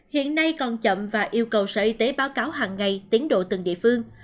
hiện nay còn chậm và yêu cầu sở y tế báo cáo hàng ngày tiến độ từng địa phương